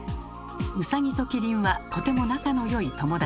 ウサギとキリンはとても仲のよい友達。